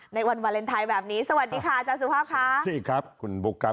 ในวันวาเลนไทยแบบนี้สวัสดีค่ะอาจารย์สุภาพค่ะสวัสดีครับคุณบุ๊คครับ